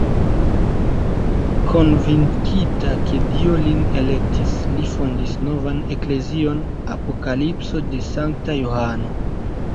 Konvinkita, ke Dio lin elektis, li fondis novan eklezion Apokalipso de sankta Johano.